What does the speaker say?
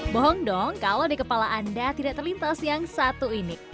bohong dong kalau di kepala anda tidak terlintas yang satu ini